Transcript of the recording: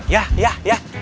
yah yah yah